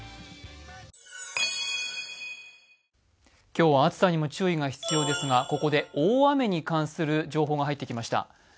今日は暑さにも注意が必要ですがここで大雨に関する情報が入ってきました。